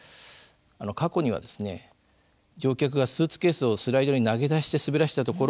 過去には乗客がスーツケースをスライドに投げ出して滑らせたところ